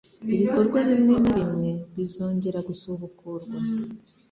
ibikorwa bimwe na bimwe bizongera gusubukurwa,